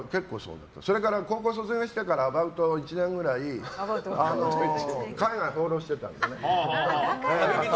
高校卒業してからアバウト１年くらい海外放浪してたのね。